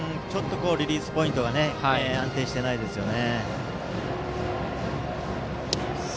リリースポイントが安定していないですね。